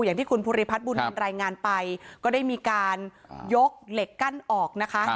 อย่างที่คุณภูริพัฒนบุญนินรายงานไปก็ได้มีการยกเหล็กกั้นออกนะคะ